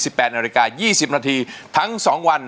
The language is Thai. สิบแปดในอาณาจริกา๒๕นาทีทั้ง๒วัน